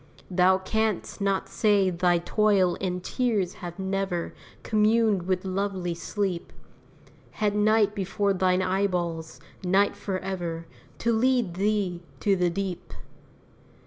Thou canst not say thy toil and tears have never Communed with lovely sleep! Had night before thine eyeballs night forever To lead thee to the deep!